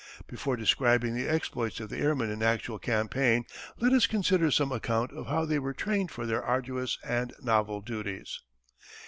Before describing the exploits of the airmen in actual campaign let us consider some account of how they were trained for their arduous and novel duties.